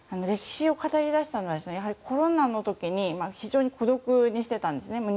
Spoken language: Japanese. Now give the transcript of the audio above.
歴史を語り出したのはコロナの時に非常に孤独にしていたんですね。